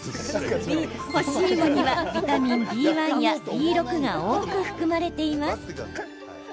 干し芋にはビタミンＢ１やＢ６が多く含まれています。